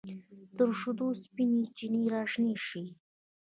تر شیدو سپینې چینې راشنې شي